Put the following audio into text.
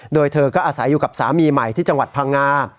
โดยเธอก็อาศัยอยู่กับสามีใหม่ที่จังหวัดพังงา